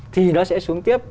thì nó sẽ xuống tiếp